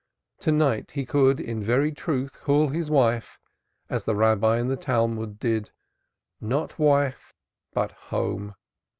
To night he could in very truth call his wife (as the Rabbi in the Talmud did) "not wife, but home."